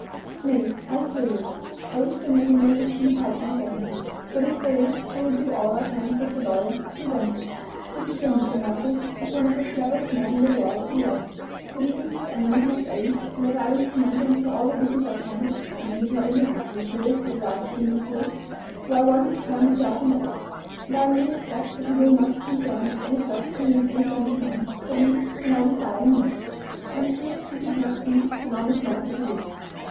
Nay, I assure you, I wish there may be no mischief hatching against you. But if there is I will do all I can with the lawyer to prevent it. To be sure, Mr. Murphy is one of the cleverest men in the world at the law; that even his enemies must own, and as I recommend him to all the business I can (and it is not a little to be sure that arises in this place), why one good turn deserves another. And I may expect that he will not be concerned in any plot to ruin any friend of mine, at least when I desire him not. I am sure he could not be an honest man if he would."